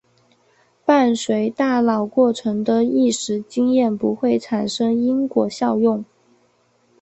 伴随大脑过程的意识经验不会产生因果效用。